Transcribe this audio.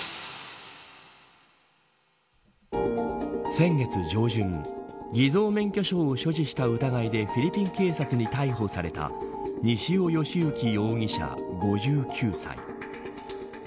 先月上旬偽造免許証を所持した疑いでフィリピン警察に逮捕された西尾嘉之容疑者、５９歳。